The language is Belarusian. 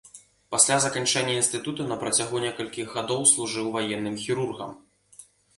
Пасля заканчэння інстытута на працягу некалькіх гадоў служыў ваенным хірургам.